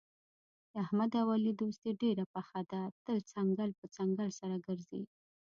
د احمد او علي دوستي ډېره پخه ده، تل څنګل په څنګل سره ګرځي.